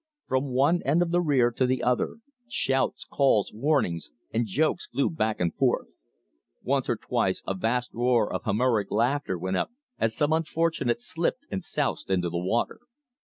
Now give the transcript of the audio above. From one end of the rear to the other, shouts, calls, warnings, and jokes flew back and forth. Once or twice a vast roar of Homeric laughter went up as some unfortunate slipped and soused into the water.